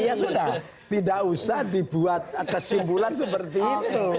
ya sudah tidak usah dibuat kesimpulan seperti itu